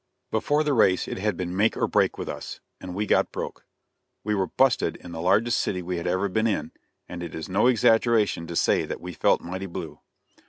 Before the race it had been "make or break" with us, and we got "broke." We were "busted" in the largest city we had ever been in, and it is no exaggeration to say that we felt mighty blue.